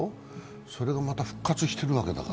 それがまた復活してるわけだから。